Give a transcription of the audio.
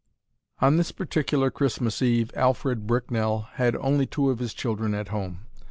On this particular Christmas Eve Alfred Bricknell had only two of his children at home.